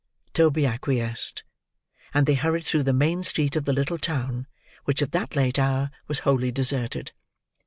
Toby acquiesced; and they hurried through the main street of the little town, which at that late hour was wholly deserted.